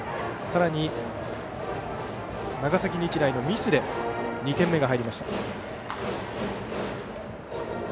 さらに、長崎日大のミスで２点目が入りました。